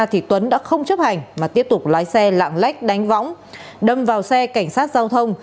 thì tuấn đã không chấp hành mà tiếp tục lái xe lạng lách đánh võng đâm vào xe cảnh sát giao thông